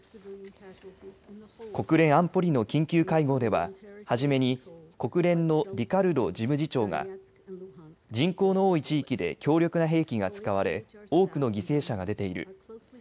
国連安保理の緊急会合でははじめに国連のディカルロ事務次長が人口の多い地域で強力な兵器が使われ多くの犠牲者が出ている。